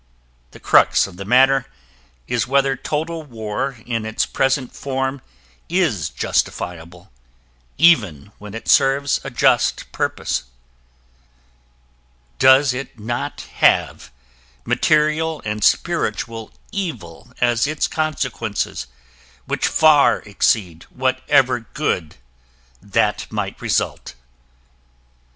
The crux of the matter is whether total war in its present form is justifiable, even when it serves a just purpose. Does it not have material and spiritual evil as its consequences which far exceed whatever good that might result?